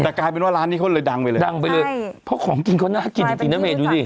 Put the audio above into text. แต่กลายเป็นว่าร้านนี้เขาเลยดังไปเลยดังไปเลยเพราะของกินเขาน่ากินจริงนะเมย์ดูดิ